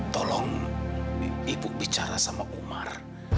tolong ibu bicara sama umar